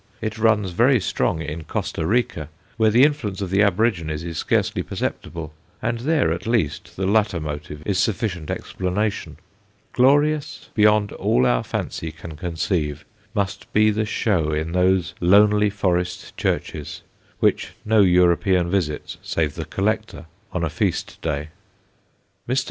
It runs very strong in Costa Rica, where the influence of the aborigines is scarcely perceptible, and there, at least, the latter motive is sufficient explanation. Glorious beyond all our fancy can conceive, must be the show in those lonely forest churches, which no European visits save the "collector," on a feast day. Mr.